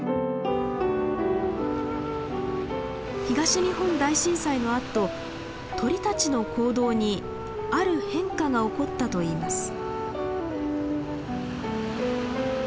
東日本大震災のあと鳥たちの行動にある変化が起こったといいます。